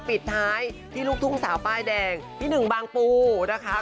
ปิดท้ายที่ลูกทุ่งสาวป้ายแดงพี่หนึ่งบางปูนะคะ